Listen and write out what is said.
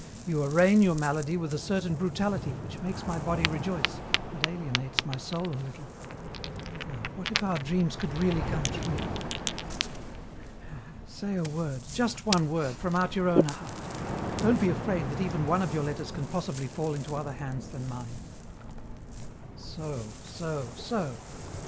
You arraign your malady with a certain brutality which makes my body rejoice but alienates my soul a little. Ah, what if our dreams could really come true! "'Ah, say a word, just one word, from out your own heart. Don't be afraid that even one of your letters can possibly fall into other hands than mine.' "So, so, so.